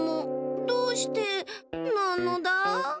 どうしてなのだ？